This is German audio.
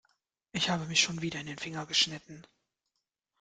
Ich habe mich schon wieder in den Finger geschnitten.